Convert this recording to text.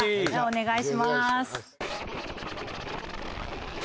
お願いします